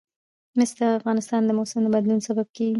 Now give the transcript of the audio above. مس د افغانستان د موسم د بدلون سبب کېږي.